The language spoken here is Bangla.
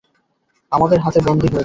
আমাদের হাতে বন্দী হয়েছে।